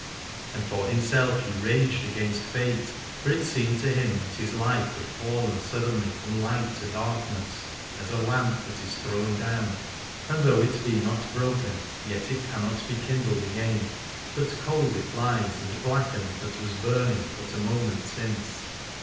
And for himself he raged against fate, for it seemed to him that his life had fallen suddenly from light to darkness, as a lamp that is thrown down, and though it be not broken, yet it cannot be kindled again, but cold it lies and blackened that was burning but a moment since.